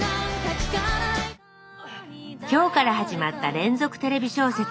今日から始まった連続テレビ小説